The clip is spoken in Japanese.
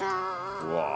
うわ。